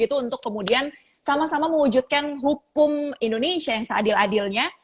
untuk kemudian sama sama mewujudkan hukum indonesia yang seadil adilnya